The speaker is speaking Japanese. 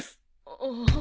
ああ。